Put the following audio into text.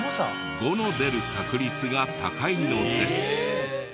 ５の出る確率が高いのです。